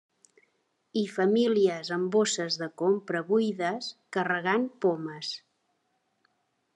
I famílies amb bosses de compra buides, carregant pomes.